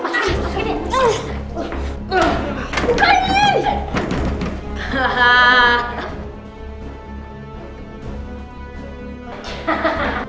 kalau aku melamatkan ayah